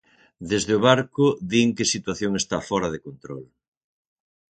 Desde o barco din que situación está fóra de control.